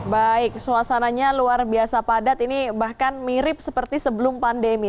baik suasananya luar biasa padat ini bahkan mirip seperti sebelum pandemi